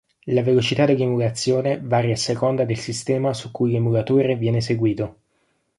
La velocità dell'emulazione varia a seconda del sistema su cui l'emulatore viene eseguito.